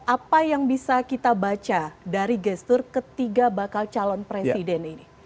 apa yang bisa kita baca dari gestur ketiga bakal calon presiden ini